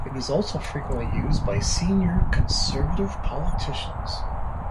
It was also frequently used by senior Conservative politicians.